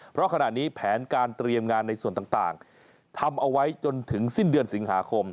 เพราะขณะนี้แผนการเตรียมงานในส่วนต่างทำเอาไว้จนถึงสิ้นเดือนสิงหาคม